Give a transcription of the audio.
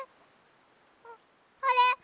あっあれ！？